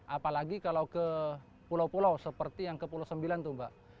apalagi kalau ke pulau pulau seperti yang ke pulau sembilan tuh mbak